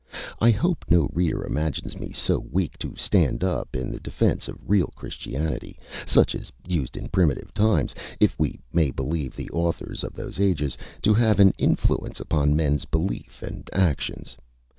I hope no reader imagines me so weak to stand up in the defence of real Christianity, such as used in primitive times (if we may believe the authors of those ages) to have an influence upon men's belief and actions.